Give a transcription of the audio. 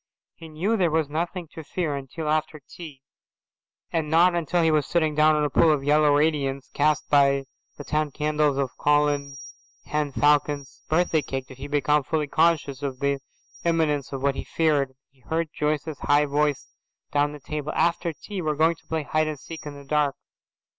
He knew there was nothing to fear until after tea, and not until he was sitting down in a pool of yellow radiance cast by the ten candles on Colin Henne Falcon's birthday cake did he become fully conscious of the imminence of what he feared. He heard Joyce's high voice down the table, "After tea we are going to play hide and seek in the dark."